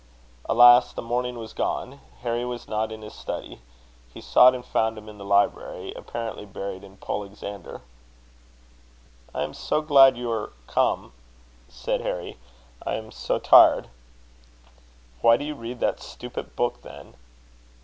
Alas! the morning was gone. Harry was not in his study: he sought and found him in the library, apparently buried in Polexander. "I am so glad you are come," said Harry; "I am so tired." "Why do you read that stupid book, then?"